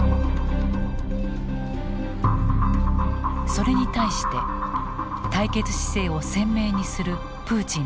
それに対して対決姿勢を鮮明にするプーチン大統領。